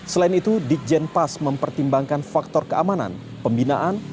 selain itu di jenpas mempertimbangkan faktor keamanan pembinaan